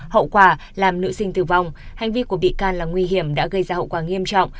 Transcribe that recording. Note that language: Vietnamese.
hậu quả làm nữ sinh tử vong hành vi của bị can là nguy hiểm đã gây ra hậu quả nghiêm trọng